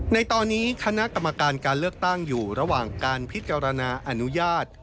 ในตอนนี้คณะกรรมการการเลือกตั้งอยู่ระหว่างการพิจารณาอนุญาต